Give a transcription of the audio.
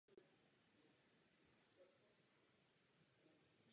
Po změně politických poměrů v Československu se vrátil do Prahy.